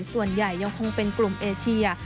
ส่วนใหญ่ยังคงเป็นกลุ่มเอเชีย